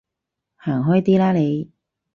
行開啲啦你